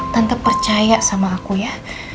tante percaya sama aku ya